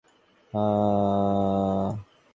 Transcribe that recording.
হ্যাঁ, বব।